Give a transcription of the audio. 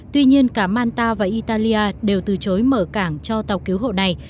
tuy nhiên cả manta và italia đều từ chối mở cảng cho tàu cứu hộ này